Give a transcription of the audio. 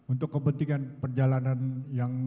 untuk kepentingan perjalanan yang